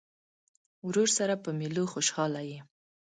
ورور سره په مېلو خوشحاله یې.